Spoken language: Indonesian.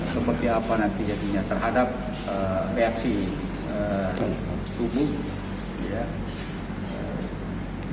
seperti apa nanti jadinya terhadap reaksi tubuh